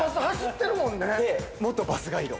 で、元バスガイド。